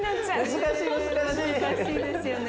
難しいですよね。